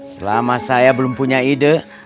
selama saya belum punya ide